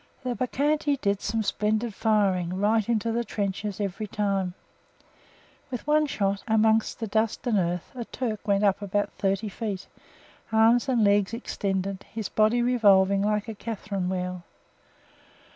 The Bacchante did some splendid firing, right into the trenches every time. With one shot, amongst the dust and earth, a Turk went up about thirty feet: arms and legs extended, his body revolving like a catherine wheel.